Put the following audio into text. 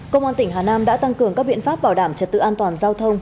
công an tỉnh hà nam đã tăng cường các biện pháp bảo đảm trật tự an toàn giao thông